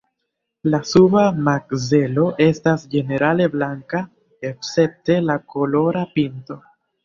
La suba makzelo estas ĝenerale blanka escepte la kolora pinto.